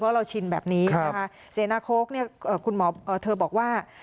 เพราะเราชินแบบนี้นะคะเสนาโค้กเนี่ยคุณหมอเธอบอกว่า